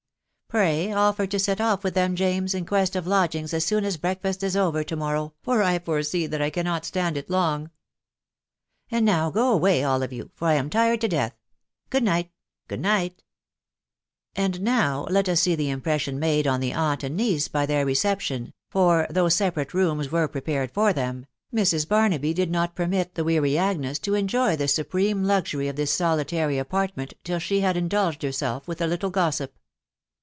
Pray, ofler to set off with them, James, in quest of lodgings as soon as breakfast is over to morrow, for I foresee that I cannot stand it long. .... And uow go away all of you, for 1 am tired to death. Good night !.... Good night !'* And now let us see the impression made on the aunt and niece by their reception, for, though separate rooms were pre pared for them, Mrs. Barnaby did not permit the weary Agnes to enjoy the supreme luxury of this solitary apartment till she had indulged herself with a little gossip.